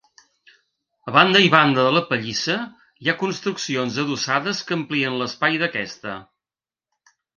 A banda i banda de la pallissa hi ha construccions adossades que amplien l'espai d'aquesta.